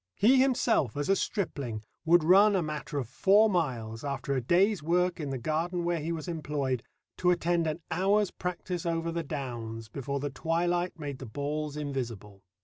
He himself as a stripling would run a matter of four miles, after a day's work in the garden where he was employed, to attend an hour's practice over the downs before the twilight made the balls invisible.